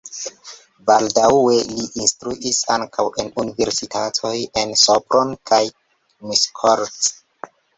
Baldaŭe li instruis ankaŭ en universitatoj en Sopron kaj Miskolc.